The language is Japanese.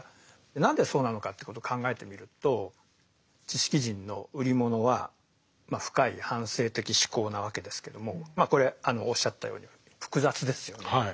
何でそうなのかってこと考えてみると知識人の売り物はまあ深い反省的思考なわけですけどもまあこれおっしゃったように複雑ですよね。